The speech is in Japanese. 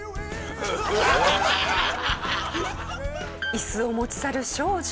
イスを持ち去る少女。